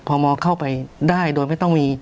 มเข้าไปได้โดยไม่ต้องมี